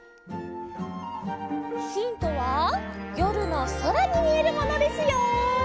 ヒントはよるのそらにみえるものですよ。